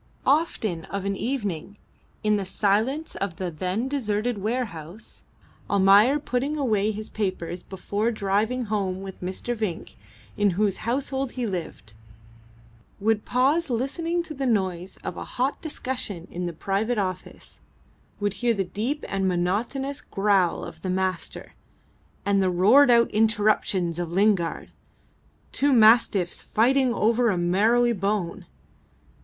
Often of an evening, in the silence of the then deserted warehouse, Almayer putting away his papers before driving home with Mr. Vinck, in whose household he lived, would pause listening to the noise of a hot discussion in the private office, would hear the deep and monotonous growl of the Master, and the roared out interruptions of Lingard two mastiffs fighting over a marrowy bone.